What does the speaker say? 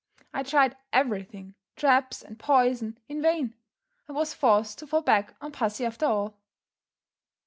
I tried everything, traps and poison, in vain, and was forced to fall back on pussy after all."